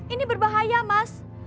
ini berbahaya mas